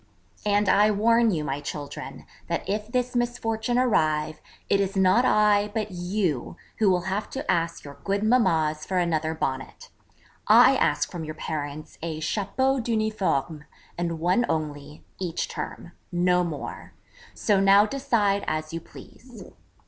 And I warn you, my children, that if this misfortune arrive, it is not I, but you, who will have to ask your good mammas for another Bonnet. I ask from your parents a chapeau d'uniforme, and one only, each term: no more. So now decide as you please.'